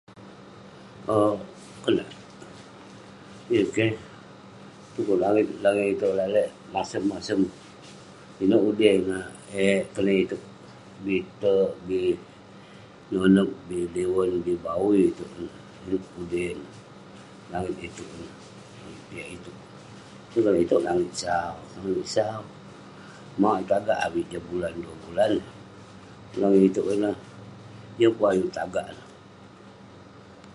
Owk. Konak, yeng keh. Dukuk langit-langit iteuk lalek masem-masem. Ineuk udey neh eh konak iteuk. Bik tek, bi nonep, bi liwen, bi bawui iteuk neh . Yeng pun udey neh. Langit iteuk ineh. Langit piak iteuk. Yeng konak iteuk langit sau. Langit sau, mauk eh tagak avik jah bulan duah bulan. Langit iteuk ineh, yeng pun ayuk tagak neh.